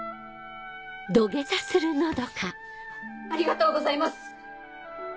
ありがとうございます！